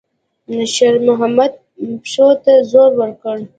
شېرمحمد پښو ته زور ورکړ.